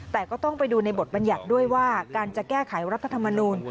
แต่ก็ต้องไปดูในบทบัญญัติด้วยว่าการจะแก้ไขรัฐธรรมนูล